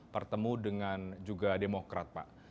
pertemu dengan juga demokrat pak